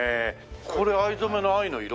これ藍染めの藍の色？